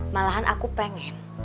malahan aku pengen